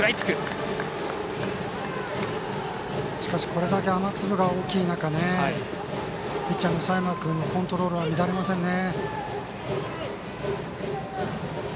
しかしこれだけ雨粒が大きい中でピッチャーの佐山君のコントロールは乱れませんね。